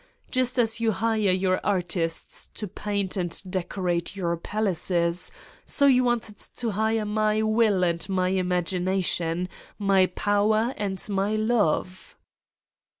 Just as you hire your artists to paint and decorate your palaces so you wanted to hire my will and my imagination, my power and my love!"